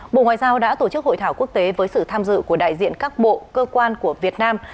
bộ ngoại giao đã tổ chức hội thảo quốc tế với sự tham dự của đại diện các bộ cơ quan của việt nam